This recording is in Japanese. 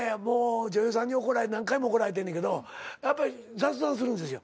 女優さんに何回も怒られてんねんけどやっぱ雑談するんですよ。